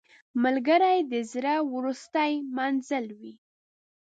ملګری د زړه وروستی منزل وي